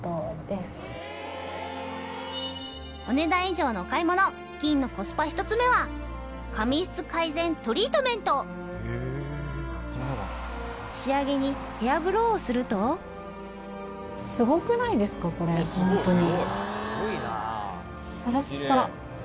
お値段以上のお買い物仕上げにヘアブローをするとすごくないですかこれホントに。